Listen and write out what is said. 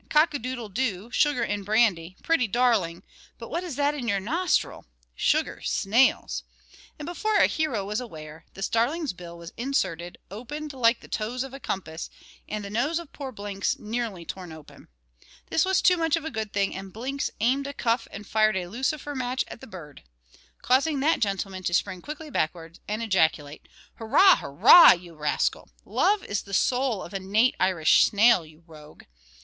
Cock a doodle doo, sugar and brandy, pretty darling; but what is that in your nostril? Sugar, snails." And before our hero was aware, the starling's bill was inserted, opened like the toes of a compass, and the nose of poor Blinks nearly torn open. This was too much of a good thing; and Blinks aimed a cuff and fired a lucifer match at the bird, causing that gentleman to spring quickly backwards and ejaculate. "Hurrah! hurrah! you rascal! Love is the soul of a nate Irish snail, you rogue."